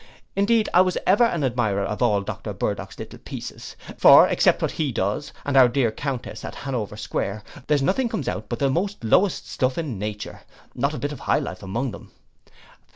Indeed I was ever an admirer of all Doctor Burdock's little pieces; for except what he does, and our dear Countess at Hanover Square, there's nothing comes out but the most lowest stuff in nature; not a bit of high life among them.